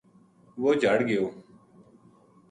وہ جھَڑ گیو